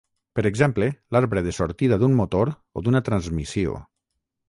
Per exemple l'arbre de sortida d'un motor o d'una transmissió.